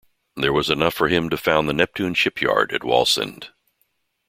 This was enough for him to found the Neptune Shipyard at Wallsend.